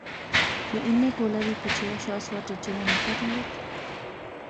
میں انیں کولا وی پچھیا، شاہ سوار چچے ناں نکا جنگت۔۔۔۔؟